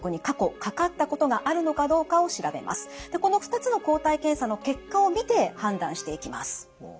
この２つの抗体検査の結果を見て判断していきます。